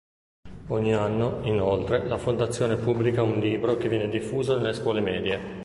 Ogni anno, inoltre, la Fondazione pubblica un libro che viene diffuso nelle scuole medie.